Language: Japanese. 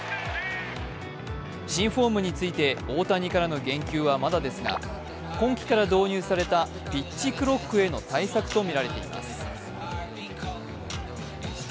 新フォームについて大谷からの言及はまだですが、今季から導入されたピッチクロックへの対策とみられています。